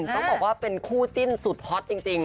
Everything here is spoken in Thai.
ต้องบอกว่าเป็นคู่จิ้นสุดฮอตจริง